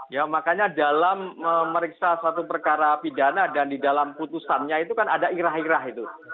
ya makanya dalam memeriksa satu perkara pidana dan di dalam putusannya itu kan ada irah irah itu